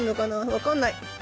分かんない。